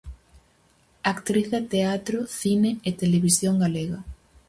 Actriz de teatro, cine e televisión galega.